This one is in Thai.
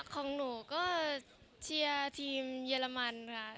ของหนูก็เชียร์ทีมเยอรมันค่ะ